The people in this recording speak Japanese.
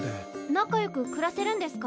仲よく暮らせるんですか？